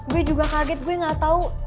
gue juga kaget gue gak tau